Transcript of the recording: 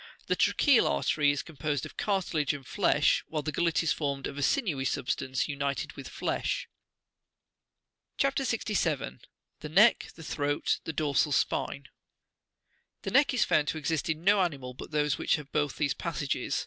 The tracheal artery is composed of cartilage and flesh, while the gullet is formed of a sinewy substance united with flesh. CHAP. 67. THE KECK ; THE THROAT ; THE DORSAL SPIXE. The neck is found to exist in no animal but those which have both these passages.